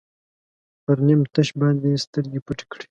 پر نیم تش باندې سترګې پټې کړئ.